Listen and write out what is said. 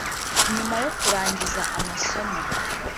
nyuma yo kurangiza amasomo